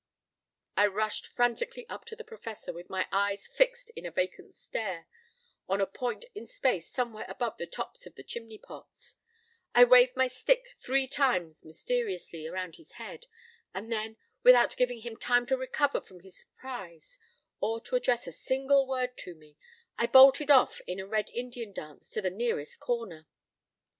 I rushed frantically up to the Professor, with my eyes fixed in a vacant stare on a point in space somewhere above the tops of the chimney pots: I waved my stick three times mysteriously around his head; and then, without giving him time to recover from his surprise or to address a single word to me, I bolted off in a Red Indian dance to the nearest corner.